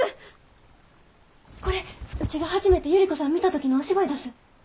これうちが初めて百合子さん見た時のお芝居だす。